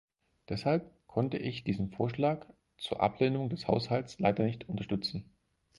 Deshalb konnte ich diesen Vorschlag zur Ablehnung des Haushalts leider nicht unterstützen.